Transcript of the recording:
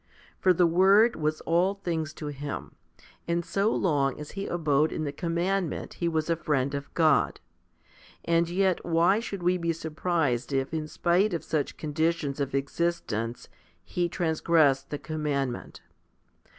For the Word was all things to him, and so long as he abode in the commandment he was a friend of God. And yet why should we be surprised if in spite of such conditions of existence he transgressed the commandment